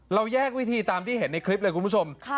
เราแยกวิธีตามที่เห็นในคลิปเลยคุณผู้ชม